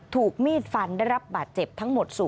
ถูกมีดฟันได้รับบาดเจ็บทั้งหมด